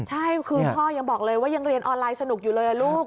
ใช่คือพ่อยังบอกเลยว่ายังเรียนออนไลน์สนุกอยู่เลยลูก